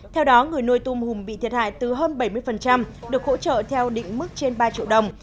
theo đó người nuôi tôm hùm bị thiệt hại từ hơn bảy mươi được hỗ trợ theo định mức trên ba triệu đồng